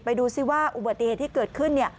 ดูสิว่าอุบัติเหตุที่เกิดขึ้น